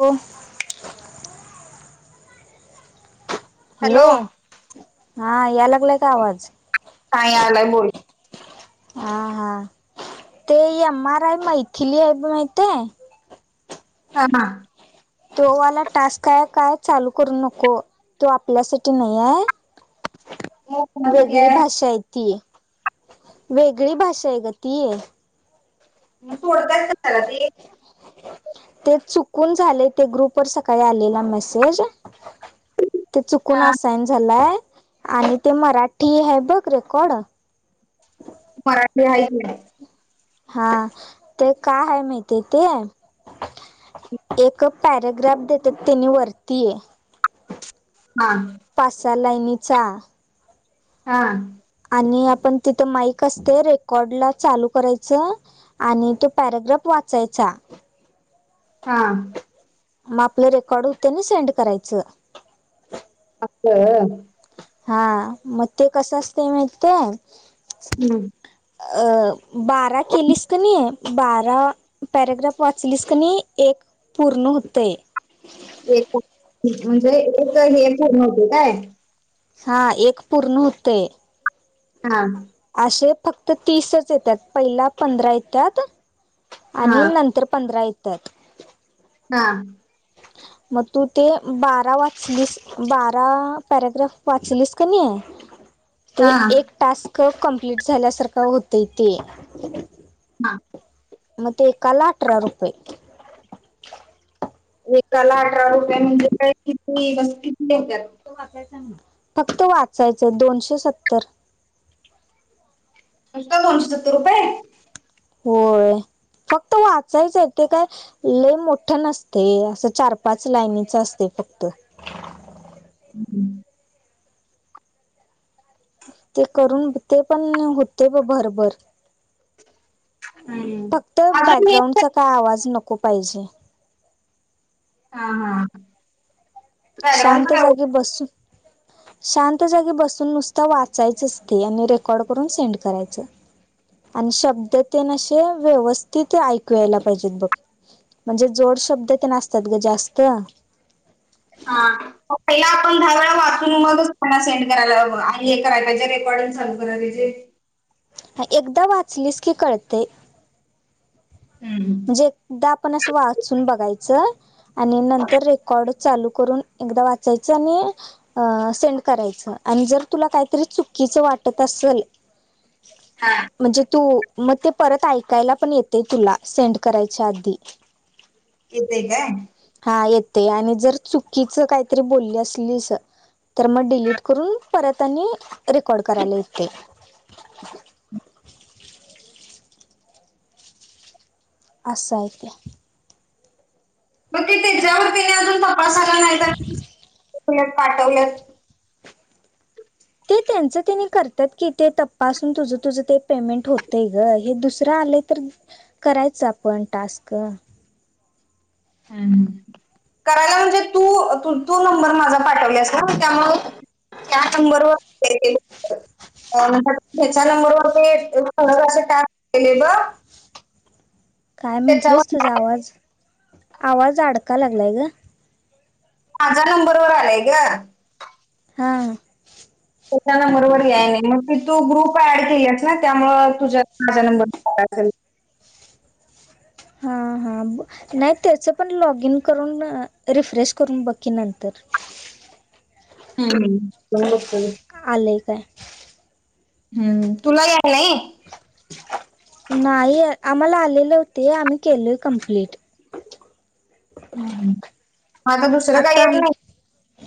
हो. हॅलो हा या लागलाय का आवाज? काही आलाय बोल. हा हा ते अमार आहे मैथिली आहे ब माहित. [unintelligible] तोवाला टास्क आहे काय चालू करू नको तो आपल्यासाठी नाही आहे वेगळी भाषा आहे तीय वेगळी भाषा आहे ग ती म सोडताय कशाला ते [inaudible] ते चुकून झाले ते ग्रुप वर सकाळी आलेला मेसेज ते चुकून हा असइन झालंय आणि ते मराठी ह बघ रेकॉर्ड मराठी आहे हा ते काय आहे माहती ते एक पॅरग्राफ देते त्यांनी वरतीय. हा पाच-सहा लाईनीचा. हा आणि आपण तिथं माईक असते रेकॉर्ड ला चालू करायचं. आणि तो पॅराग्राफ वाचायचा. हा मग आपलं रेकॉर्ड होतं ना सेंड करायचं. असं. हा मग ते कसं असते माहितेय हम्म अ. बारा केलीस क नाही. बारा पॅरेग्राफ वाचलीस क नाही एक पूर्ण होतंय. एक म्हणजे एक हेच नव्हते काय. हा एक पूर्ण होतंय. हा. असे फक्त तीसच येतात पहिला पंधरा येतात. हा आणि नंतर पंधरा येतात. हा मग तू ते बारा वाचलीस. बारा पॅरग्राफ वाचलीस क नाही आहे. ते हा एक टास्क कंप्लीट झाल्यासारखं होत ते. हा मग ते एकाला अठरा रुपये. एकाला अठरा रुपयाे म्हणजे काय किती बस किती होत्यात. फक्त वाचायचंय दोनशे सत्तर. फक्त दोनशे सत्तर रुपये? होय फक्त वाचायचं आहे ते काय. ले मोठं नसते असं चार पाच लाईनीच असते फक्त. हम्म ते करून ते पण होते भरभर. हम्म फक्त अजून हे बॅकग्राउंडचा काय आवाज नको पाहिजे. हा हा बॅकग्राऊंडच शांत काय जागी बस. शांत जागी बसून नुसतं वाचायचंच ते आणि रेकॉर्ड करून सेंड करायचं. आणि शब्द तेन असे व्यवस्थित ऐकू यायला पाहिजेत बघ. म्हणजे जोड शब्द ते आसतात ग जास्त. हा पहिला आपण दहा वेळा वाचुन मग त्यांना सेंड करायला हवं आणि हे कराय पाहिजे रेकॉर्डिंग लू कराय पाहिजे एकदा वाचलीस की करतेय हम् हम म्हणे एकदा आपण अस वाचून बघाच आणि नंतर रेकॉर्ड चालू करून एकदा वाचायच आणि सेंड करायचं आणि जर तुला काहीतरी चुकीचं वाटत असेल [inaudible] हा. म्हणजे तू मग ते परत ऐकायला पण येतेय तुला. सेंड करायच्या आधी. येतय का हा येते आणि जर चुकीच काहीतरी बोलली असलीस तर मग डिलीट करून परत आणि रेकॉर्ड करायला येते असशं आहे ते मग ते त्याच्यावरती [unintelligible] ने अजून तपासायला नाहीत पाठवलंत ते त्यांच त्यांनी करतात की ते तप्पासून तुझ तुझं ते पेमेंट होतंय ग हे दुसरं आलं. तर करायचं आपण टास्क. ह करायला म्हणजे तू तू नंबर माझा पाठवलास ना त्यामुळ त्या नंबरवर शअर केले [inaudible] म्हणात हच्या नंबरवर ते खर असे टॅपले ब [inaudible] काय म्हटलेस त्याच्यावर तुझा आवाज आवाज अडका लागला आहे ग माझ्या नंबरवर आलाय ग हा हा. त्याच्याना बरोबर या नाही मग ती तू ग्रुप ऍड केलीस ना त्यामुळ तुझ्या माझा नंबरला असेल. हां हां ब नाही त्याच पण लॉग इन करून रिफ्रेश करून बकी नंतर. हम्म चत [unintelligible] आलेय काय. हम्म तुला यालाय नाही. नाही आम्हाला आलेले होते आम्ही केलोय कमप्लीट. आता दुसरं काय येत नाही.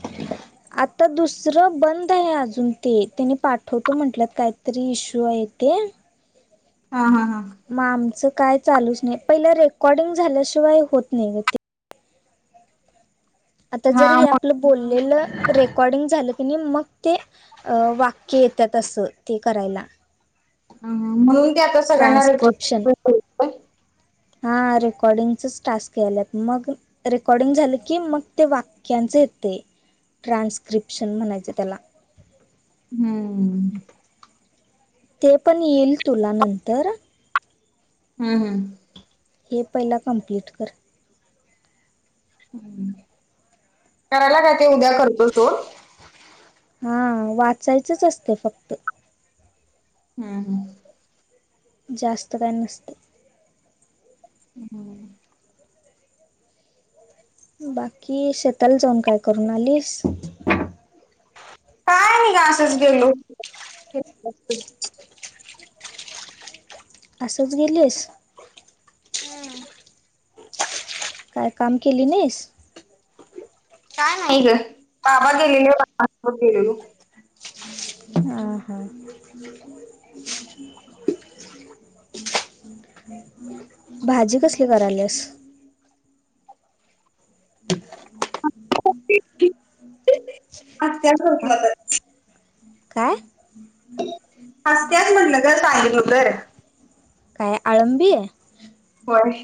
ह [inaudible] आता दुसरं बंद आहे अजून ते त्यानी पाठवतो म्हटलंत कायतरी इश्यू आहे ते हा हा हा. मग आमचं काय चालूच नाही पहि रेकॉर्डिंग झाल्याशिवाय होत नाही ग ते आता जर हा हे मग- आपलं बोललेलं रेकॉर्डिंग झालं की नाही मग ते अ वाक्य येतात अस ते करायला. अ म्हणून ते आता सगळ्यांना रेकॉर्ड [inaudible] हा रेकॉर्डिंगचाच टास्क यायल्यात मग रेकॉर्डिंग झालं की मग ते वाक्यांचं येते ट्रान्स्क्रिप्शन म्हणायचे त्याला. हम्म. ते पण येईल तुला नंतर. हम् हम. हे पहिला कम्प्लीट कर. करायला काय ते उद्या करतो सोड. हा वाचायचंच असते फक्त. हम् हम. जास्त काही नसतेय. हम्म [inaudible] बाकी शेताला जाऊन काय करून आलीस काय म कांच गेलो [inaudible] असंच गेलीस. हम्म. काय काम केली नाहीस. काय नाही ग बाबा गेलेले बा गेलेलो [inaudible] हं हा भाजी कसली करायलीस आ त्यातवातच काय हसत्याच म्हणलं ग चांगलं होत आळंबी. होय.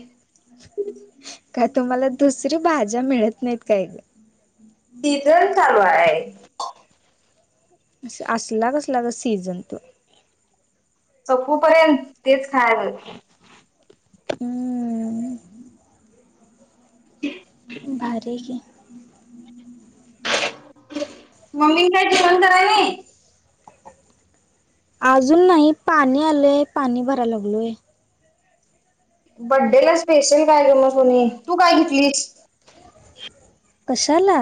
का तुम्हाला दुसरी भाज्या मिळत नाहीत काय ग सीझर चालू आहे. असला कसला का सीझन तो. चपूपर्यंत तेच खायला लाते हम्म [inaudible] भार क मम्मी काही ठवणंतराय नाही अजून नाही पाणी आलंय पाणी भराय लागलोय बड्डे ला स्पेशल काय करम सोनी तू काय घेतलीस कशाला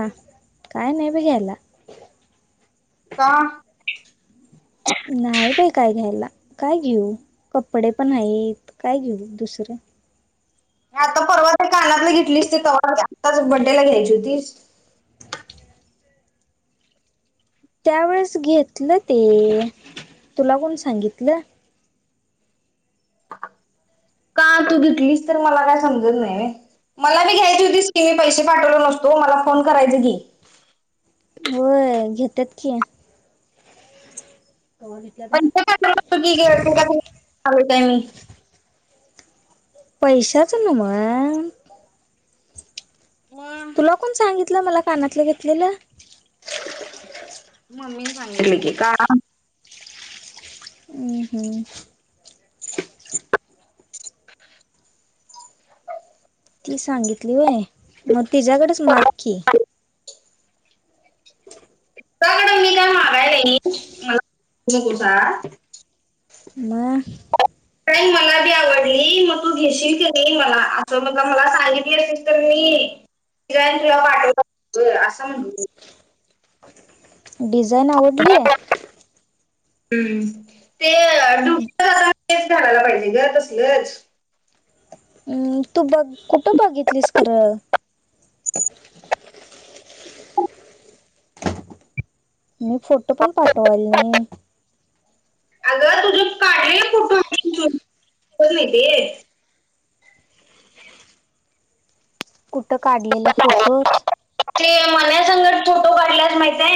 काय नाही बीघ्यायला का नाही बाय काय घ्यायला काय घेऊ कपडे पण आहेत काय घेऊ दुसरं आता परवात एक कानातला घेतलीच ते तवा आताच बड्डेला घ्यायची होतीच त्यावेेळेस घेतलं ते तूला कोून सांगितलं ह तू घेतलीस तर मला काय समजत नाही मला मी घ्यायची होतीस की मी पैसे पाठवले नसतो मला फोन करायचे की होय घेतेत की त्यांच्या का चुकीते का काय मी पैशाच ना मग मग तुला कोण सांगितलं मला पाण्यातलं घेतलेलं मम्मीने सांगितलं की का हम् हम्म ती सांगितली होय मग तिच्या्याकडेच माग क त्याकडं मला मगाय र मला कसा म का मला री आवडली मग तू घेशील करी मला असं मग मला सांगितली असेल तर मी िराय किवा पाठव असं म्हणत डिझाईन आवडली आहे हम्म ते डु घालायला पाहिजे ग तसलंच आहे तू बघ कुठं बघितलीस खरं मी फोटो पण पाठवाल नाही अगं तुझं काढ र फोटोत नाही ते कुठं काढलेल्या फोटोत े मन संकट छोटं वाढल्यास माहितय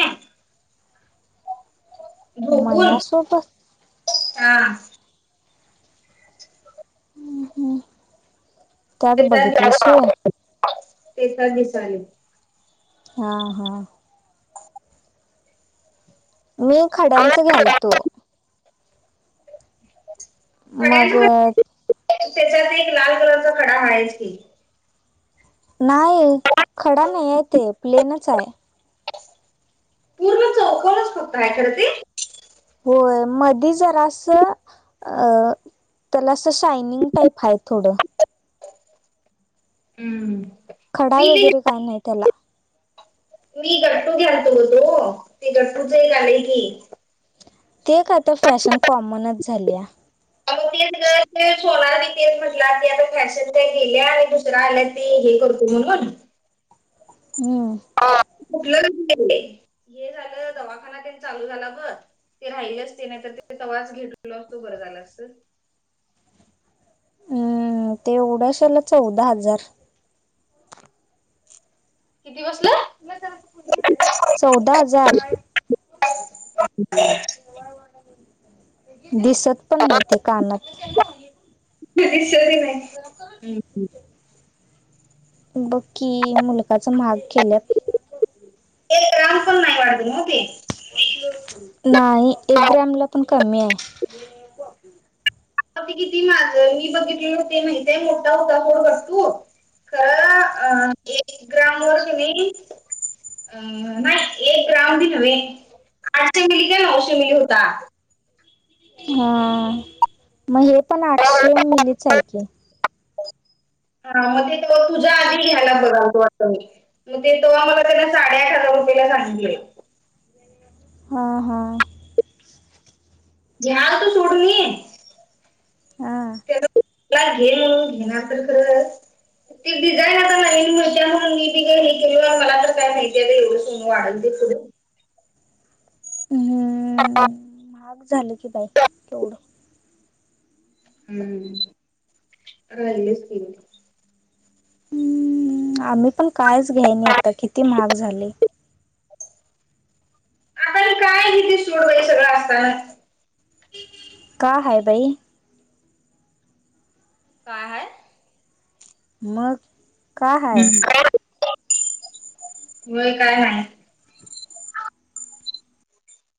झोपून मनसोबत हा त्यात ते बघितलीस होय तेचा दिसाले हा हा मी खड्यांच घालतो मग खड्यांच्या त्याच्यात एक लाल कलरचा खडा वाय क नाही खडा नाही येत प्लेनच आहे पूर्व चकलच फक्त आहे खरं ते होय मधी जरा असं अ त्याला असं शायनिंग टाईप आहे थोडं हम्म खडा मी ते वगैरे काय नाही त्याला मी गट्टू घालतो तो ते गट्टूचही झालेय की ते आता फॅशन कॉमनच झाली आहे ह सोनारला म्हटलं की आता फॅशन गेल्या आणि दुसरा आल्या ते हे करतो म्हणून हम्म टलं हे झालं दवाखाना त्यांनी चालू झाला बर ते राहिलेच ते नाही तर ते तवास घेतटल असतो बरं झाला अस सर ह तेवढ्याशेला चौदा हजार किती बसला चौदा हजार दिसत पण नाही ते कानात नाही सोरी नाही काठ बकी मुलकाच महाग केलं एक गॅम फोन नाही वाढत मओके नाही एक ग्रॅम ला पण कमी आहे किती माझ मी बघितले ते माहितय मोठा होता मोड घट्टू ख एक ग्राम व असून अ नाही एक राऊंड न्हे आठशे मिली का नऊशे मिली होता हा मग हे पण आठशे मिलीच आहे क हा मग ते तुझ्या आधी घ्यायला बघा वा मग तेो्हा मला त्यांना साडेआठ हजार रुपयाेला सांगितलं हा हा ज तो सोडून हा घे म्हणून घेणार आप ख ती डिझाईन आता नवीन म्हण त्या म्हणून मी ति काय हे केल मला तर काय माहिती आहे एवढं स वाढल दे पुढे हम्म महाग झालं की बाई तेवढं हम्म हाल स हम्म आम्ही पण कायच घ्यानी आता किती महाग झाली आता काय तिथे सोड बा हे सगळं असताना का हय बाई काय ह मग का हाय? हम् त काय नाही